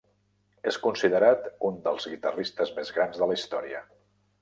És considerat un dels guitarristes més grans de la història.